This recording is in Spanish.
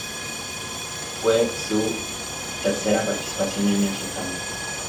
Fue su tercera participación en el certamen.